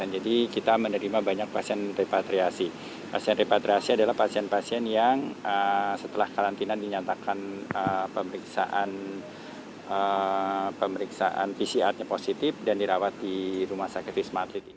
jadi kita menerima banyak pasien repatriasi pasien repatriasi adalah pasien pasien yang setelah karantina dinyatakan pemeriksaan pcr positif dan dirawat di rumah sakit wisma atlet